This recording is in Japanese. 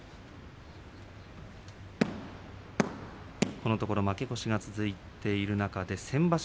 このところ負け越しが続いている中で先場所